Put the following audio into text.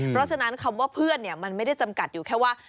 เพราะฉะนั้นคำว่าเพื่อนมันไม่ได้จำกัดอยู่แค่ว่า